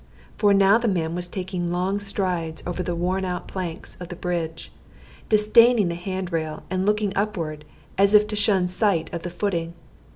For now the man was taking long strides over the worn out planks of the bridge, disdaining the hand rail, and looking upward, as if to shun sight of the footing.